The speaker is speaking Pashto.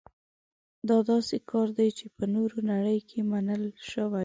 دا داسې کار دی چې په نوره نړۍ کې منل شوی.